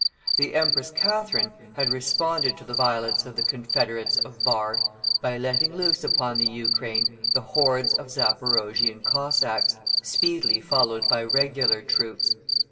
The Empress Catherine had responded to the violence of the confederates of Barr by letting loose upon the Ukraine the hordes of Zaporoguian Cossacks, speedily followed by regular troops.